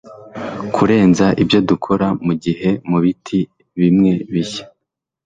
Kurenza ibyo dukora mugihe mubiti bimwebishya